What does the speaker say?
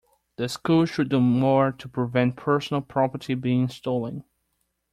The school should do more to prevent personal property being stolen.